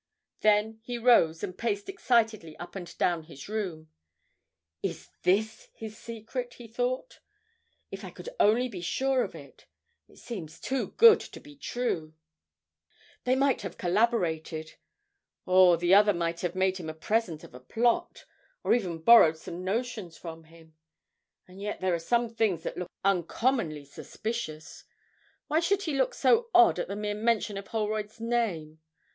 Then he rose and paced excitedly up and down his room. 'Is this his secret?' he thought. 'If I could only be sure of it! It seems too good to be true ... they might have collaborated, or the other might have made him a present of a plot, or even borrowed some notions from him.... And yet there are some things that look uncommonly suspicious. Why should he look so odd at the mere mention of Holroyd's name?